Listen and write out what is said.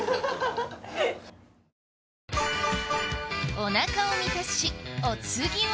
おなかを満たしお次は？